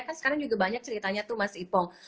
kan sekarang juga banyak ceritanya tuh mas ipong